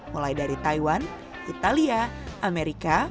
mulai dari taiwan italia amerika